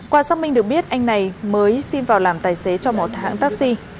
qua xác minh được biết anh này mới xin vào làm tài xế cho một hãng taxi